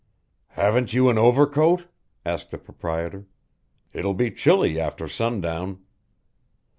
"Haven't you an overcoat?" asked the proprietor. "It'll be chilly after sundown."